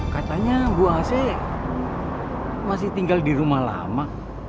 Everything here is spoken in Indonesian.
katanya bu ac masih tinggal di rumah lama